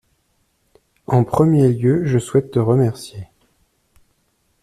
En premier lieu je souhaite te remercier.